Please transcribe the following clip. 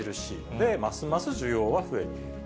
で、ますます需要が増えている。